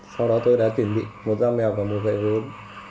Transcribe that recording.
sau đó tôi đã chuẩn bị một dao mèo và một vệ vốn